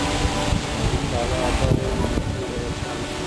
که مطالعه ازاده وي، نو فکرونه به روښانه سي.